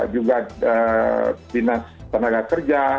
juga binas tenaga kerja